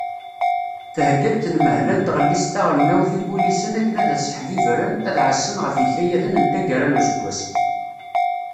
Thegga-d tenmehla n tɣellist taɣelnawt ibulisen akken ad sseḥbibren, ad ɛassen ɣef yikayaden n taggara n useggas.